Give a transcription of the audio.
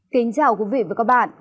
kính chào quý vị và các bạn